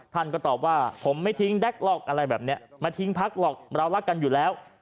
ท่านก็ตอบว่าผมไม่ทิ้งแก๊กหรอกอะไรแบบนี้มาทิ้งพักหรอกเรารักกันอยู่แล้ว